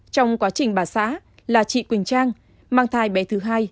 trong quá trình bà xã là chị quỳnh trang mang thai bé thứ hai